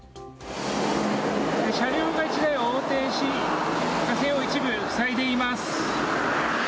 車両が１台横転し車線を一部塞いでいます。